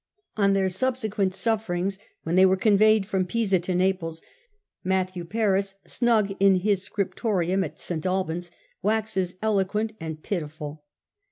On their subsequent sufferings when they were con veyed from Pisa to Naples, Matthew Paris, snug in his scriptorium at St. Albans, waxes eloquent and pitiful.